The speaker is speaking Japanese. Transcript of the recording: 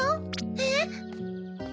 えっ？